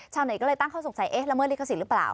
ชาวไหนก็เลยตั้งเขาสงสัยเอ๊ะแล้วเมื่อลิขสินหรือเปล่า